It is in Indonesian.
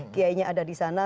kiainya ada di sana